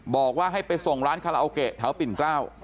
บอกว่าให้ไปส่งร้านคาราโอเกะแถวปิ่นเกล้า